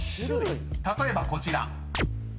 ［例えばこちら］